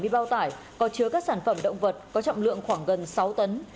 bảy mươi bao tải có chứa các sản phẩm động vật có trọng lượng khoảng gần sáu tấn